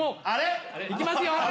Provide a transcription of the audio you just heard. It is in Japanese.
あれ⁉行きますよ？